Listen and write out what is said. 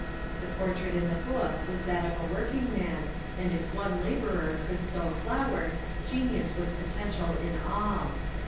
The portrait in the book was that of a workingman, and if one labourer could so flower, genius was potential in all.